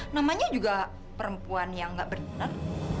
namanya juga perempuan yang gak benar